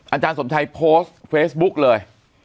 อาจารย์สมชัยโพสต์เฟซบุ๊กเลย